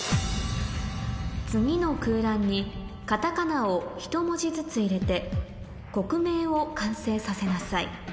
次の空欄にカタカナをひと文字ずつ入れて国名を完成させなさい